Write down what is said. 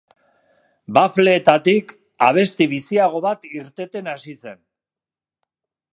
Bafleetatik abesti biziago bat irteten hasi zen.